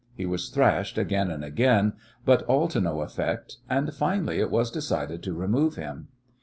He was thrashed again and again, but all to no effect, and, finally, it was decided to remove him.